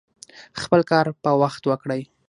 خپل کار په وخت وکړئ